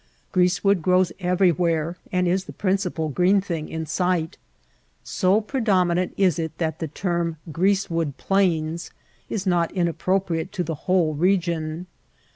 Grease wood grows everywhere and is the principal green thing in sight. So pre dominant is it that the term ^^ grease wood plains ^^ is not inappropriate to the whole re gion.